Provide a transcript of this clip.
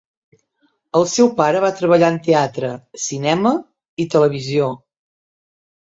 El seu pare va treballar en teatre, cinema i televisió.